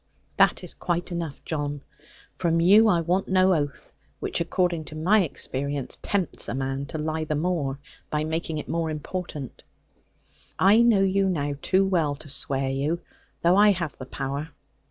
'That is quite enough, John. From you I want no oath; which, according to my experience, tempts a man to lie the more, by making it more important. I know you now too well to swear you, though I have the power.